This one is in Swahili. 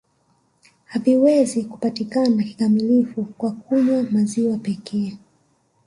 Haviwezi kupatikana kikamilifu kwa kunywa maziwa pekee